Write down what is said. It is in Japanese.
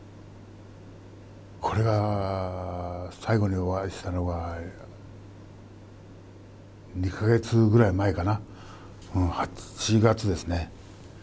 これは最後にお会いしたのが２か月ぐらい前かな。